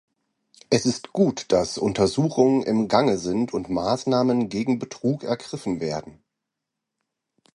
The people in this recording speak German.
Es ist gut, dass Untersuchungen im Gange sind und Maßnahmen gegen Betrug ergriffen werden.